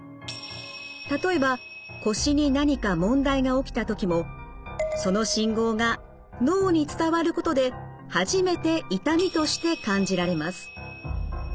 例えば腰に何か問題が起きた時もその信号が脳に伝わることで初めて痛みとして感じられます。